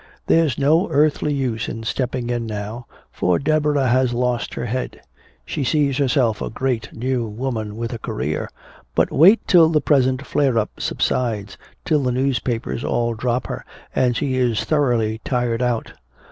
There's no earthly use in stepping in now, for Deborah has lost her head. She sees herself a great new woman with a career. But wait till the present flare up subsides, till the newspapers all drop her and she is thoroughly tired out.